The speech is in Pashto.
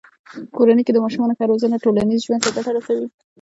په کورنۍ کې د ماشومانو ښه روزنه ټولنیز ژوند ته ګټه رسوي.